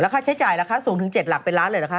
ราคาใช้จ่ายละคะสูงถึง๗หลักเป็นล้านเลยละคะ